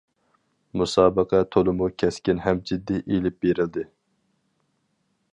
مۇسابىقە تولىمۇ كەسكىن ھەم جىددىي ئېلىپ بېرىلدى.